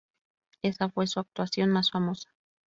Esa fue su actuación más famosa.